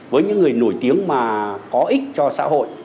với những người nổi tiếng mà có ích cho xã hội